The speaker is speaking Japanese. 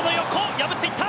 破っていった。